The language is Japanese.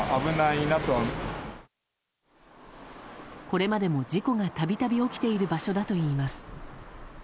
これまでも、事故が度々起きている場所だといいます。